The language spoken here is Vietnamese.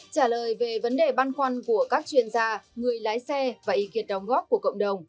trả lời về vấn đề băn khoăn của các chuyên gia người lái xe và ý kiến đóng góp của cộng đồng